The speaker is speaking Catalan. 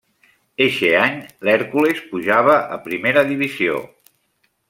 Eixe any, l'Hèrcules pujava a primera divisió.